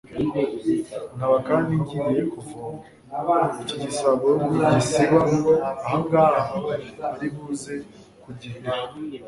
nkaba kandi ngiye kuvoma, iki gisabo ningisiga aha ngaha, aribuze kugihirika